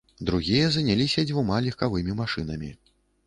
Другія заняліся дзвюма легкавымі машынамі.